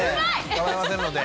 かまいませんので。